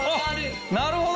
なるほど！